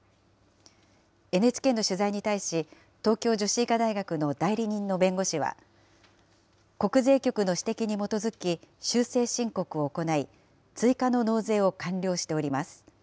ＮＨＫの取材に対し、東京女子医科大学の代理人の弁護士は、国税局の指摘に基づき修正申告を行い、追加の納税を完了しております。